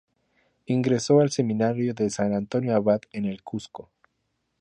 Ingresó al Seminario de San Antonio Abad en el Cuzco.